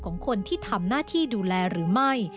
ของคนที่ทำหน้าที่ดูแลหรือไม่